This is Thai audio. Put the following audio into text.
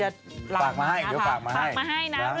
เดี๋ยวฝากมาให้